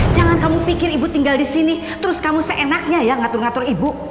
jangan kamu pikir ibu tinggal di sini terus kamu seenaknya ya ngatur ngatur ibu